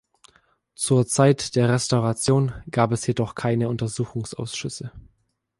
Zur Zeit der Restauration gab es jedoch keine Untersuchungsausschüsse.